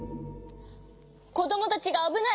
こどもたちがあぶない！